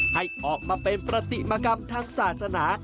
ให้ออกมาเป็นปฏิมกรรมทางศาสนา